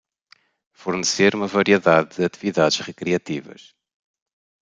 Fornecer uma variedade de atividades recreativas